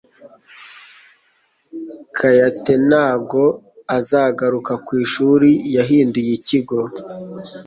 kyate ntago azagaruka kwishuri yahinduye ikigo